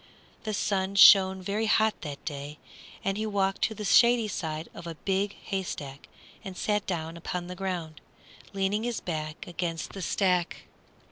The sun shone very hot that day, and he walked to the shady side of a big haystack and sat down upon the ground, leaning his back against the stack.